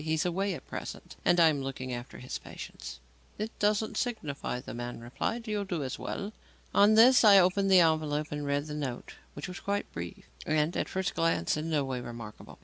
He is away at present and I am looking after his patients." "It doesn't signify," the man replied. "You'll do as well." On this, I opened the envelope and read the note, which was quite brief, and, at first sight, in no way remarkable.